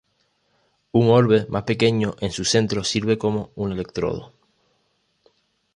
Un orbe más pequeño en su centro sirve como un electrodo.